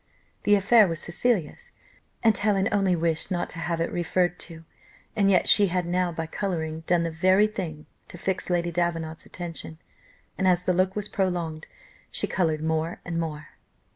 The affair was Cecilia's, and Helen only wished not to have it recurred to, and yet she had now, by colouring, done the very thing to fix Lady Davenant's attention, and as the look was prolonged, she coloured more and more.